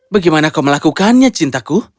bagaimana kau melakukannya cintaku